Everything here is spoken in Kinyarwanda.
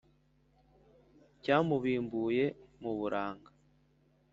Cyamubimbuye mu buranga,